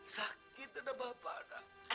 sakit dada bapak